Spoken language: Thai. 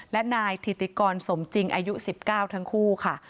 และนายถิติกรสมจริงอายุ๑๙ทั้งคู่ค่ะ